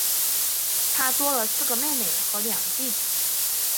她多了四个妹妹和两个弟弟